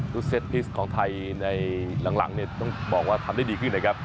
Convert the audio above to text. เซตพิสของไทยในหลังเนี่ยต้องบอกว่าทำได้ดีขึ้นนะครับ